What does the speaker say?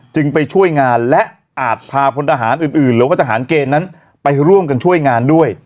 จึงไปช่วยงานและอาจพาพลทหารอื่นหรือว่าทหารเกณฑ์นั้นไปร่วมกันช่วยงานด้วย